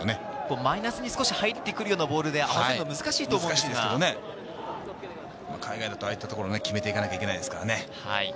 マイナスに入ってくるようなボールで、合わせるのは難しいと思いますが、海外だとああいったところも決めていかなきゃいけないですからね。